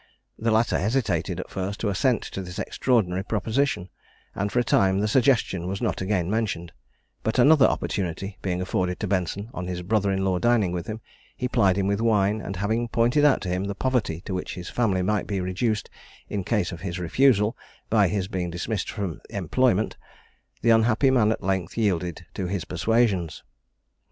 The latter hesitated at first to assent to this extraordinary proposition, and for a time the suggestion was not again mentioned; but another opportunity being afforded to Benson, on his brother in law dining with him, he plied him with wine, and having pointed out to him the poverty to which his family might be reduced in case of his refusal, by his being dismissed from employment, the unhappy man at length yielded to his persuasions.